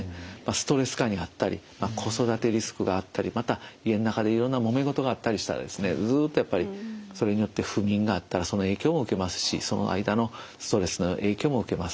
ストレス下にあったり子育てリスクがあったりまた家の中でいろんなもめ事があったりしたらずっとそれによって不眠があったらその影響も受けますしその間のストレスの影響も受けます。